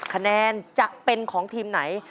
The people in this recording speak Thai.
คะแนนจะเป็นของทีมไหน